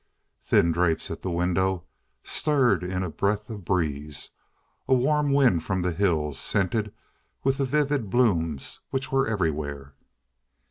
Thin drapes at the window stirred in a breath of breeze a warm wind from the hills, scented with the vivid blooms which were everywhere.